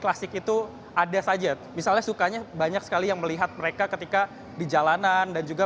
klasik itu ada saja misalnya sukanya banyak sekali yang melihat mereka ketika di jalanan dan juga